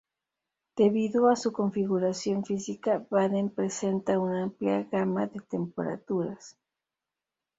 Debido a su configuración física, Baden presenta una amplia gama de temperaturas.